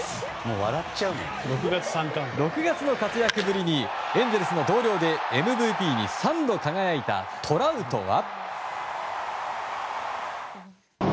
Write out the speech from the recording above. ６月の活躍ぶりにエンゼルスの同僚でＭＶＰに３度輝いたトラウトは。